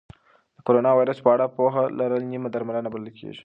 د کرونا ویروس په اړه پوهه لرل نیمه درملنه بلل کېږي.